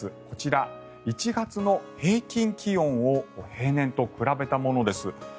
こちら、１月の平均気温を平年と比べたものです。